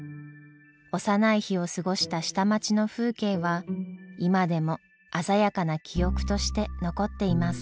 幼い日を過ごした下町の風景は今でも鮮やかな記憶として残っています。